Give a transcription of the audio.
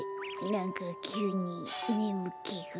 なんかきゅうにねむけが。